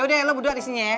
yaudah lo berdua di sini ya